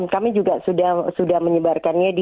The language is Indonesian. kami juga sudah menyebarkannya di